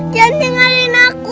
jangan ngingerin aku